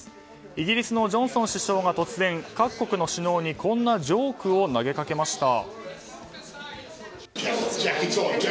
イギリスのジョンソン首相が突然、各国の首脳にこんなジョークを投げかけました。